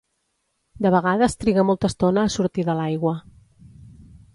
De vegades triga molta estona a sortir de l'aigua.